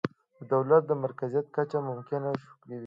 د دولت د مرکزیت کچه ممکنه کوي.